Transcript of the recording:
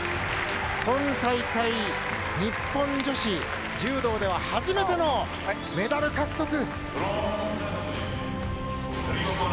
今大会日本女子柔道では初めてのメダル獲得。